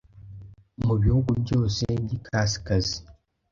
mu bihugu byose by’ikasikazi,